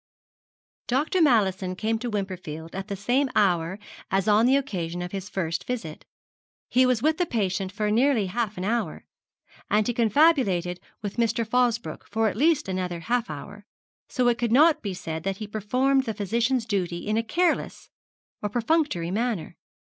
Dr. Mallison came to Wimperfield at the same hour as on the occasion of his first visit. He was with the patient for nearly half an hour, and he confabulated with Mr. Fosbroke for at least another half hour, so it could not be said that he performed the physician's duty in a careless or perfunctory manner.